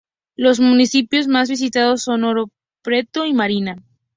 Los municipios más visitados son Oro Preto y Mariana.